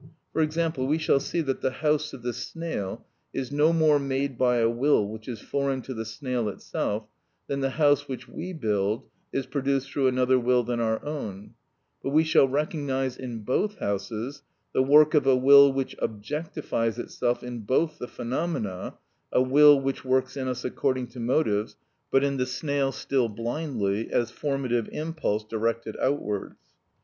For example, we shall see that the house of the snail is no more made by a will which is foreign to the snail itself, than the house which we build is produced through another will than our own; but we shall recognise in both houses the work of a will which objectifies itself in both the phenomena—a will which works in us according to motives, but in the snail still blindly as formative impulse directed outwards.